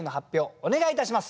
お願いいたします！